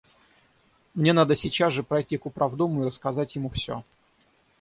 Мне надо сейчас же пройти к управдому и рассказать ему все.